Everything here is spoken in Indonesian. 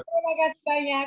terima kasih banyak